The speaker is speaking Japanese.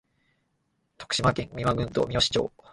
徳島県美馬郡東みよし町